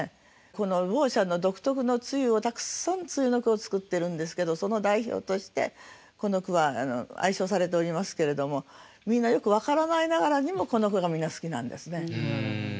この茅舎の独特の露をたくさん露の句を作ってるんですけどその代表としてこの句は愛唱されておりますけれどもみんなよく分からないながらにもこの句がみんな好きなんですね。